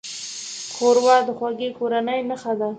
ښوروا د خوږې کورنۍ نښه ده.